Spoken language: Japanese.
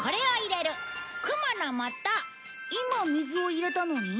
今水を入れたのに？